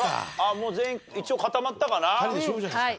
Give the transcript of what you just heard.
もう全員一応固まったかな？